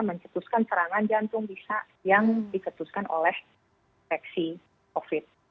mencetuskan serangan jantung bisa yang dicetuskan oleh infeksi covid sembilan belas